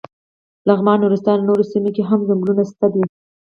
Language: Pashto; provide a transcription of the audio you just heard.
لغمان، نورستان او نورو سیمو کې هم څنګلونه شته دي.